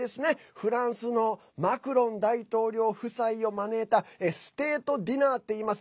フランスのマクロン大統領夫妻を招いたステートディナーっていいます。